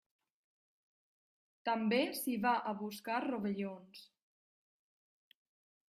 També s'hi va a buscar rovellons.